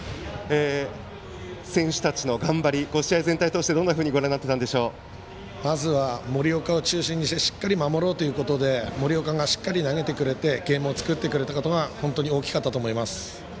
選手たちの頑張り試合全体を通してまずは森岡を中心としてしっかり守ろうということで森岡がしっかり投げてくれてゲームを作ってくれたことが大きかったと思います。